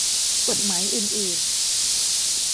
กฎหมายอื่นอื่น